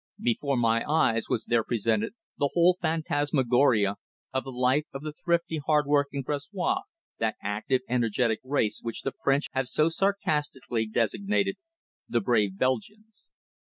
Before my eyes was there presented the whole phantasmagoria of the life of the thrifty, hard working Bruxellois, that active, energetic race which the French have so sarcastically designated "the brave Belgians."